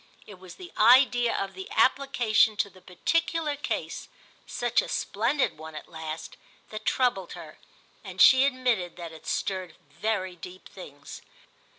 It was the idea of the application to the particular case, such a splendid one at last, that troubled her, and she admitted that it stirred very deep things.